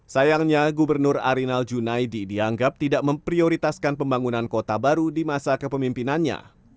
sayangnya gubernur arinal junaidi dianggap tidak memprioritaskan pembangunan kota baru di masa kepemimpinannya